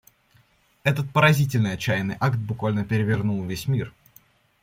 Этот поразительный отчаянный акт буквально перевернул весь мир.